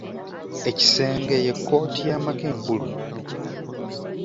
Ekisenge y'ekkooti y'amaka enkulu.